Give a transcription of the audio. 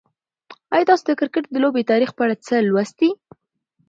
آیا تاسو د کرکټ د لوبې د تاریخ په اړه څه لوستي؟